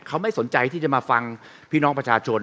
เขาไม่สนใจที่จะมาฟังพี่น้องประชาชน